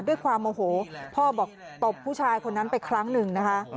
ด้วยความโมโหพ่อบอกตบผู้ชายคนนั้นไปครั้งหนึ่งนะคะ